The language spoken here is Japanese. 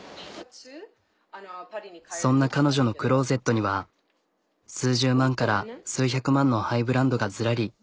そんな彼女のクローゼットには数十万から数百万のハイブランドがズラリ。